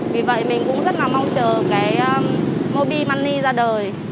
vì vậy mình cũng rất là mong chờ cái mobile money ra đời